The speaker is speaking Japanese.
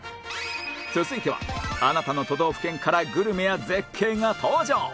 続いてはあなたの都道府県からグルメや絶景が登場！